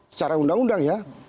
secara undang undang ya